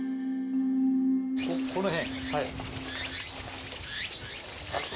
この辺？